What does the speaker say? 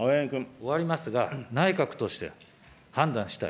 終わりますが、内閣として、判断したい。